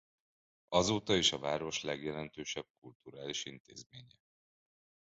Azóta is a város legjelentősebb kulturális intézménye.